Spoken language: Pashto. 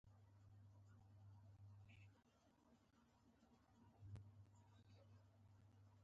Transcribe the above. ارامه غږ يې درلود